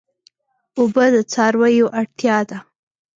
اوبه د څارویو اړتیا ده.